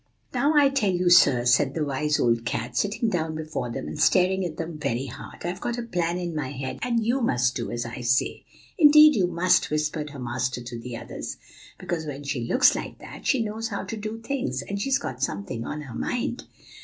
"'Now, I tell you, sirs,' said the wise old cat, sitting down before them, and staring at them very hard, 'I've got a plan in my head, and you must do as I say.' "'Indeed you must,' whispered her master to the others, 'because when she looks like that, she knows how to do things. And she's got something on her mind.